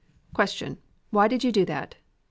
Why did you do that? A.